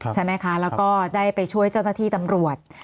ใช่ไหมคะแล้วก็ได้ไปช่วยเจ้าหน้าที่ตำรวจ